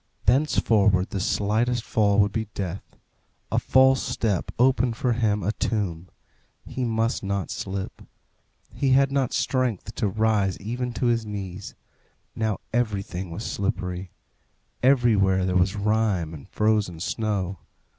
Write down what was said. Thenceforward the slightest fall would be death; a false step opened for him a tomb. He must not slip. He had not strength to rise even to his knees. Now everything was slippery; everywhere there was rime and frozen snow.